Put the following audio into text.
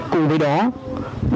cùng với đó bà con nhân dân ở bình lũ